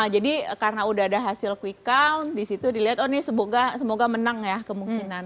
jadi karena udah ada hasil quick count disitu dilihat oh ini semoga menang ya kemungkinan